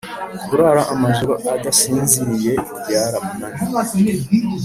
kurara amajoro adasinziriye byaramunaniye